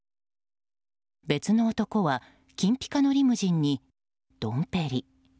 別の男は金ぴかのリムジンにドンペリ。